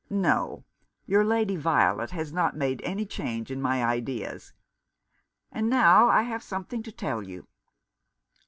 No — your Lady Violet has not made any change in my ideas. And now I have something to tell you."